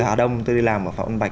bởi hà đông tôi đi làm mà phải bạch